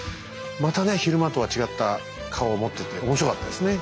またね昼間とは違った顔を持ってて面白かったですね。